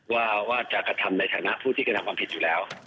ว่าจะกระทำในฐานะผู้ที่กระทำความผิดอยู่แล้ว